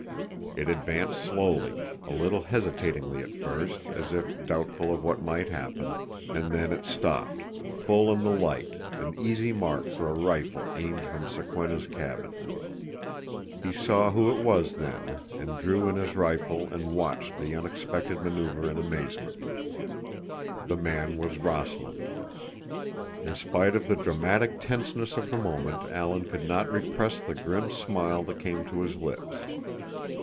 It advanced slowly, a little hesitatingly at first, as if doubtful of what might happen; and then it stopped, full in the light, an easy mark for a rifle aimed from Sokwenna's cabin. He saw who it was then, and drew in his rifle and watched the unexpected maneuver in amazement. The man was Rossland. In spite of the dramatic tenseness of the moment Alan could not repress the grim smile that came to his lips.